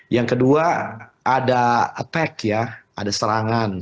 yang kedua ada attack ya ada serangan